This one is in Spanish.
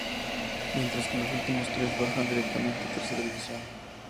Mientras que los últimos tres bajan directamente a Tercera División.